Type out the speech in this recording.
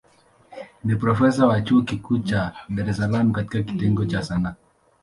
Ni profesa wa chuo kikuu cha Dar es Salaam katika kitengo cha Sanaa.